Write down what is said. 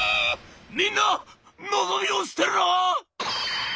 「みんな望みを捨てるな！」。